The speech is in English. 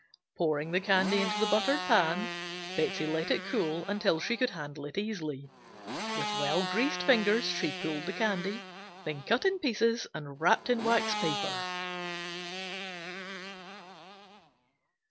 Pouring the candy into the buttered pan, Betsey let it cool until she could handle it easily. With well greased fingers she pulled the candy, then cut in pieces and wrapped in wax paper.